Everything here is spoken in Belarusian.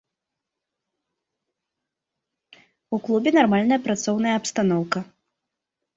У клубе нармальная працоўная абстаноўка.